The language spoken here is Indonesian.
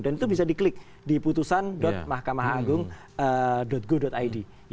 dan itu bisa di klik di putusan mahkamahagung go id